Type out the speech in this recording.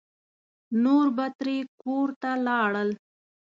نور به ترې کور ته لاړل.